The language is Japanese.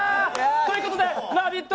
ということでラヴィット！